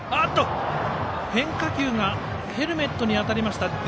変化球がヘルメットに当たりました。